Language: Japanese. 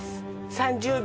３０秒！